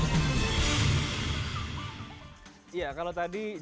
sebetulnya ini adalah kontrak yang baru kita pilih